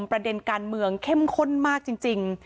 ประเด็นการเมืองเข้มข้นมากจริง